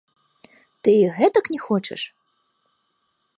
Ты і гэтак не хочаш?